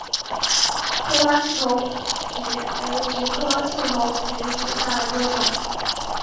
穗花刺头菊为菊科刺头菊属下的一个种。